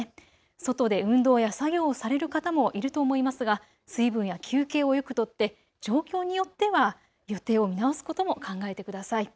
外で運動や作業をされる方もいると思いますが水分や休憩をよくとって、状況によっては予定を見直すことも考えてください。